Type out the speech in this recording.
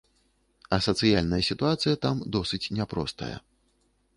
А сацыяльная сітуацыя там досыць няпростая.